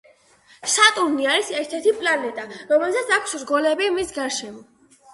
სატურნი არის ერთერთი პლანეტა რომელსაც აქვს რგოლები მის გარშემო